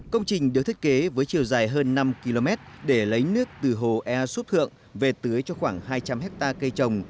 công trình được thiết kế với chiều dài hơn năm km để lấy nước từ hồ ea súp thượng về tưới cho khoảng hai trăm linh hectare cây trồng